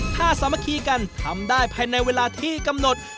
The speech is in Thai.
ถ้าสามัคคีกันทำได้ภายในเวลาที่กำหนด